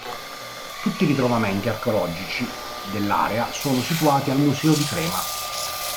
Tutti i ritrovamenti archeologici dell'area sono situati al museo di Crema.